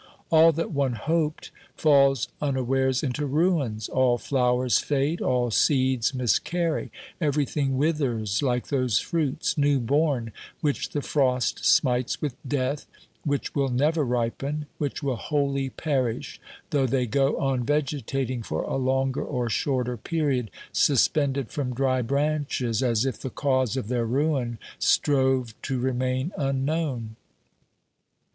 1 86 OBERMANN All that one hoped falls unawares into ruins ; all flowers fade, all seeds miscarry; everything withers like those fruits new born, which the frost smites with death, which will never ripen, which will wholly perish, though they go on vegetating for a longer or shorter period, suspended from dry branches, as if the cause of their ruin strove to remain unknown.